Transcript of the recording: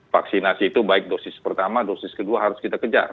vaksinasi itu baik dosis pertama dosis kedua harus kita kejar